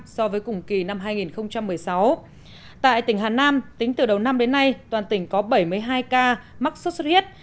so với cùng kỳ năm hai nghìn một mươi sáu tại tỉnh hà nam tính từ đầu năm đến nay toàn tỉnh có bảy mươi hai ca mắc sốt xuất huyết